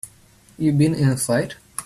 You been in a fight?